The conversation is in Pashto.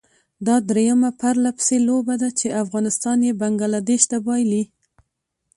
دا درېيمه پرلپسې لوبه ده چې افغانستان یې بنګله دېش ته بايلي.